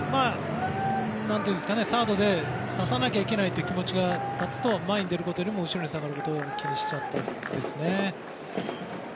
サードで刺さなきゃいけない気持ちがあると前に出ることよりも後ろに下がることを気にしちゃったんですね。